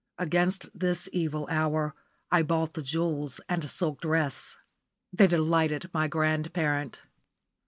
Against this evil hour I bought the jewels and silk dress. They delighted my grandparent.